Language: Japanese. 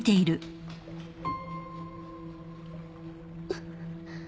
あっ。